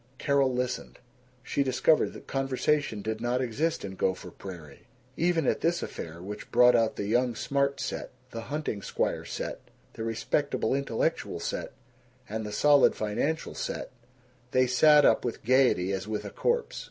Carol listened. She discovered that conversation did not exist in Gopher Prairie. Even at this affair, which brought out the young smart set, the hunting squire set, the respectable intellectual set, and the solid financial set, they sat up with gaiety as with a corpse.